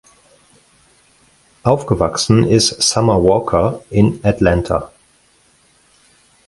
Aufgewachsen ist Summer Walker in Atlanta.